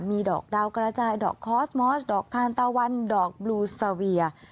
มีดอกดาวกระจายดอกคอสมอสดอกทานตะวันดอกบลูซาเวีย